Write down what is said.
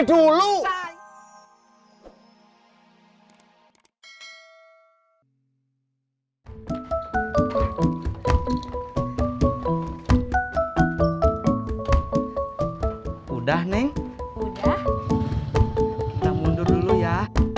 dulu udah neng udah kita mundur dulu ya